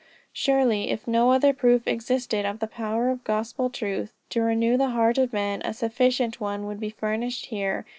Surely if no other proof existed of the power of gospel truth to renew the heart of men, a sufficient one would be furnished here.